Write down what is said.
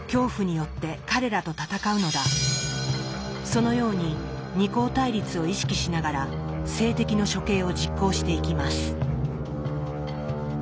そのように二項対立を意識しながら政敵の処刑を実行していきます。